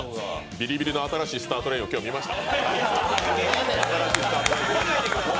ビリビリの新しいスタートラインを今日見ました。